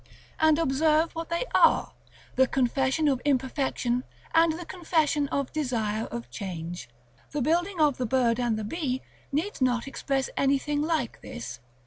And observe what they are: the confession of Imperfection and the confession of Desire of Change. The building of the bird and the bee needs not express anything like this.